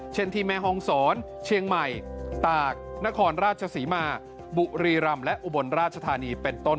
ที่แม่ฮองศรเชียงใหม่ตากนครราชศรีมาบุรีรำและอุบลราชธานีเป็นต้น